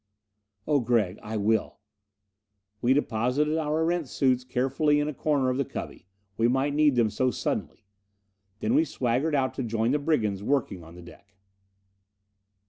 "Oh, Gregg. I will!" We deposited our Erentz suits carefully in a corner of the cubby. We might need them so suddenly! Then we swaggered out to join the brigands working on the deck.